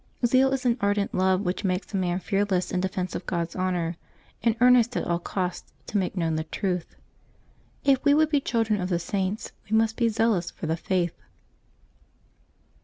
— Zeal is an ardent love which makes a man fearless in defence of Grod's honor, and earnest at all costs to make known the truth. If we would be children of the Saints, we must be zealous for the Faith.